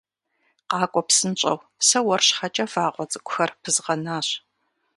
Къакӏуэ псынщӏэу, сэ уэр щхьэкӏэ вагъуэ цӏыкӏухэр пызгъэнащ.